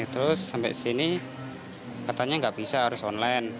terus sampai sini katanya nggak bisa harus online